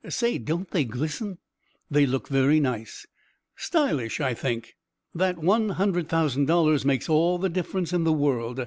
Say! Don't they glisten?" "They look very nice " "Stylish! I think." "That one hundred thousand dollars makes all the difference in the world.